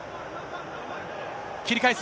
切り替えす。